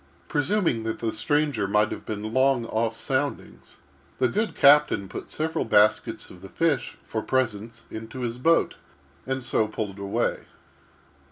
Presuming that the stranger might have been long off soundings, the good captain put several baskets of the fish, for presents, into his boat, and so pulled away.